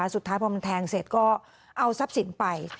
สุดท้ายพอมันแทงเสร็จก็เอาทรัพย์สินไป